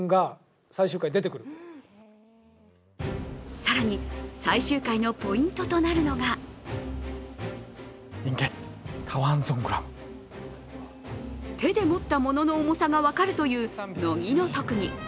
更に、最終回のポイントとなるのが手で持った物の重さが分かるという乃木の特技。